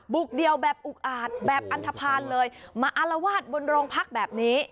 เดียวแบบอุกอาจแบบอันทภาณเลยมาอารวาสบนโรงพักแบบนี้